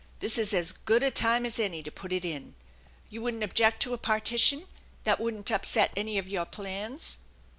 This is as good a time as any to put it in. You wouldn't object to a partition? That wouldn't upset any of your plans